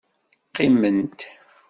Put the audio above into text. Qqiment.